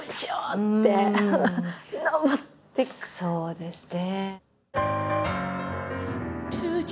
そうですね。